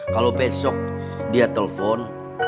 kalau besok dia telepon